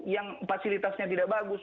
yang fasilitasnya tidak bagus